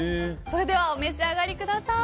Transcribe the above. では、お召し上がりください。